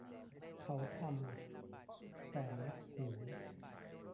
เขาทำ แต่ยักหัว